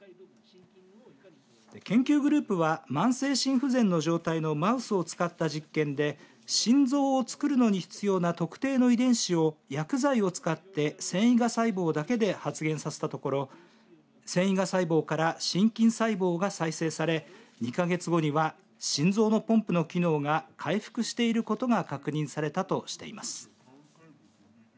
研究グループは慢性心不全の状態のマウスを使った実験で心臓を作るのに必要な特定の遺伝子を薬剤を使って線維芽細胞だけで発現させたところ線維芽細胞から心筋細胞が再生され２か月後には心臓のポンプの機能が回復していることが確認されたとしています。